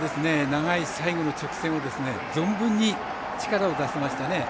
長い最後の直線を存分に力を出せましたね。